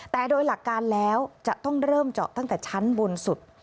แต่โดยหลักการแล้วจะต้องเริ่มเจาะตั้งแต่ชั้นบนสุด